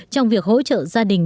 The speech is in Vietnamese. trong việc hỗ trợ gia đình